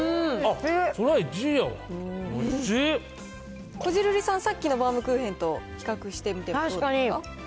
そりゃ、こじるりさん、さっきのバウムクーヘンと比較してみてどうですか。